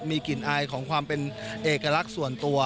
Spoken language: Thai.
มีกลิ่นอายของความเป็นเอกลักษณ์ส่วนตัว